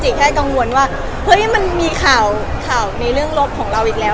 แค่กังวลว่าเฮ้ยมันมีข่าวข่าวในเรื่องลบของเราอีกแล้ว